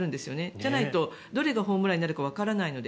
じゃないとどれがホームランになるかわからないので。